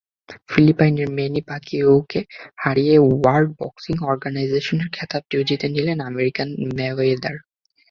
ফিলিপাইনের ম্যানি প্যাকিয়াওকে হারিয়ে ওয়ার্ল্ড বক্সিং অর্গানাইজেশনের খেতাবটিও জিতে নিলেন আমেরিকান মেওয়েদার।